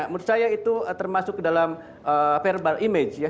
menurut saya itu termasuk ke dalam verbal image ya